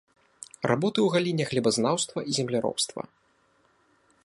Работы ў галіне глебазнаўства і земляробства.